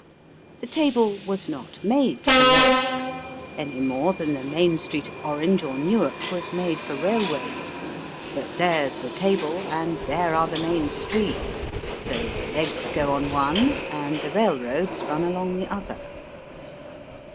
The table was not made for legs, any more than the main street of Orange or Newark was made for railways. But there's the table and there are the main streets. So the legs go on one, and the railroads run along the other.